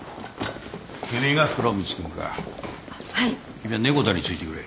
君は猫田についてくれ。